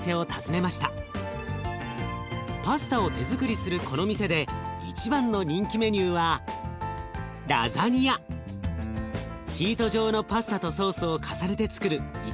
パスタを手づくりするこの店で一番の人気メニューはシート状のパスタとソースを重ねてつくるイタリア料理です。